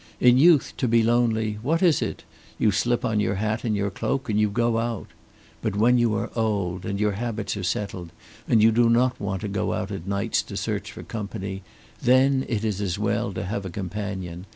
In youth to be lonely what is it? You slip on your hat and your cloak and you go out. But when you are old, and your habits are settled, and you do not want to go out at nights to search for company, then it is as well to have a companion.